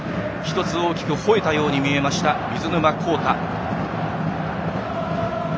１つ大きくほえたように見えました、水沼宏太。